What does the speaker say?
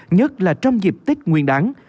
nhất là trong dịp tích nguyên đáng